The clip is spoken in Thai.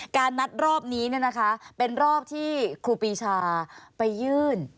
การนัดรอบนี้เนี่ยนะคะเป็นรอบที่ครูปีชาไปยื่น